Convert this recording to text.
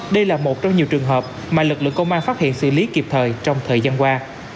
đây là một trong nhiều trường hợp mà lực lượng công an phát hiện xử lý kịp thời trong thời gian qua